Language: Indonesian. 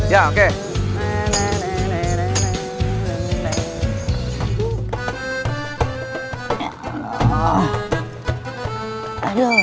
saya duluan ya bang